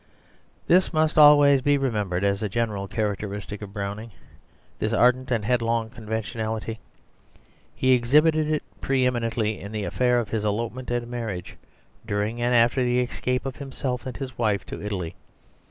This must always be remembered as a general characteristic of Browning, this ardent and headlong conventionality. He exhibited it pre eminently in the affair of his elopement and marriage, during and after the escape of himself and his wife to Italy.